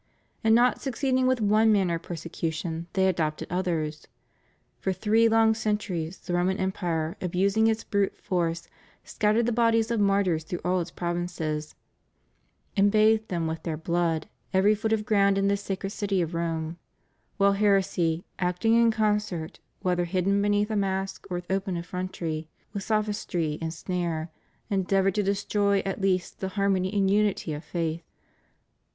And not suc ceeding with one manner of persecution, they adopted others. For three long centuries, the Roman Empire, abusing its brute force, scattered the bodies of martyrs through all its provinces, and bathed with their blood every foot of ground in this sacred city of Rome; while heresy, acting in concert, whether hidden beneath a mask or with open effrontery, with sophistry and snare, endeavored to destroy at least the harmony and unity of faith.